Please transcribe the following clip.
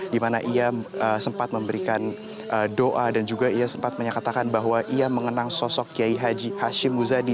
di mana ia sempat memberikan doa dan juga ia sempat menyatakan bahwa ia mengenang sosok kiai haji hashim muzadi